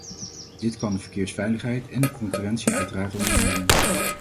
Dit kan de verkeersveiligheid en de concurrentie uiteraard ondermijnen.